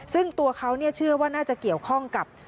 ซึ่งตัวเขาเชื่อว่าน่าจะเกี่ยวข้องกับ